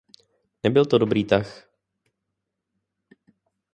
Nebyl to dobrý tah.